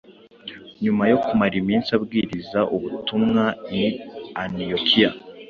Nyuma yo kumara iminsi abwiriza ubutumwa i Antiyokiya,